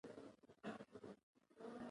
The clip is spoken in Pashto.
دوی د تولید د زیاتوالي لپاره ګډ کار کوي.